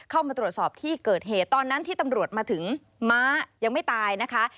เข้ามาตรวจสอบที่เกิดเหตุตอนนั้นที่ตำรวจมาถึงม้ายังไม่ตายนะคะ